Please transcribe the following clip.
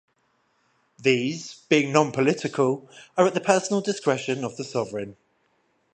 These, being non-political, are at the personal discretion of the Sovereign.